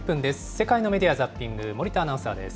世界のメディア・ザッピング、森田アナウンサーです。